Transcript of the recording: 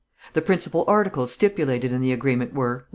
The principal articles stipulated in the agreement were: 1.